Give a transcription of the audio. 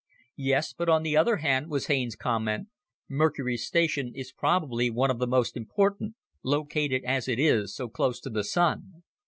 "Yes, but on the other hand," was Haines's comment, "Mercury's station is probably one of the most important located as it is, so close to the Sun.